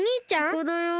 ここだよ。